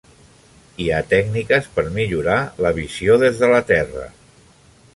Hi ha tècniques per millorar la visió des de la Terra.